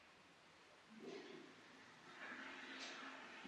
A tak tento druh výběrového procesu nazval Darwin pohlavní výběr.